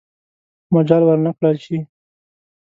مجال ورنه کړل شي.